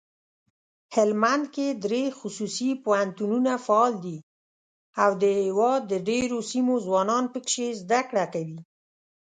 هلمندکې دري خصوصي پوهنتونونه فعال دي اودهیواد دډیروسیمو ځوانان پکښي زده کړه کوي.